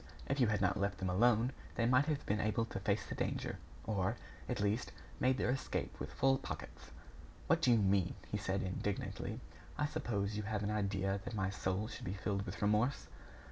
If you had not left them alone, they might have been able to face the danger, or, at least, made their escape with full pockets." "What do you mean?" he said, indignantly. "I suppose you have an idea that my soul should be filled with remorse?"